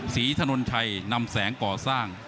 ศรีถนนชัยนำแสงก่อสร้าง